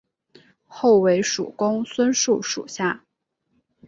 后为蜀公孙述属下。